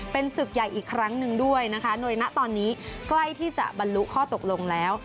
เป็นศึกใหญ่อีกครั้งหนึ่งด้วยนะคะโดยณตอนนี้ใกล้ที่จะบรรลุข้อตกลงแล้ว